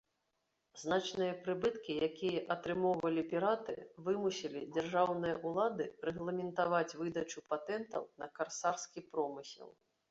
Значныя прыбыткі, якія атрымоўвалі піраты, вымусілі дзяржаўныя ўлады рэгламентаваць выдачу патэнтаў на карсарскі промысел.